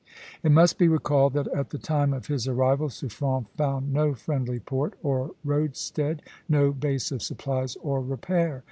It must be recalled that at the time of his arrival Suffren found no friendly port or roadstead, no base of supplies or repair.